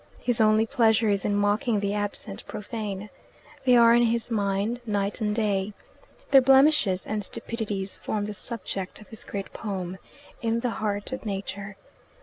His only pleasure is in mocking the absent Profane. They are in his mind night and day. Their blemishes and stupidities form the subject of his great poem, "In the Heart of Nature."